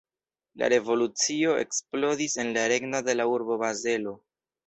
La revolucio eksplodis en la regno de la urbo Bazelo.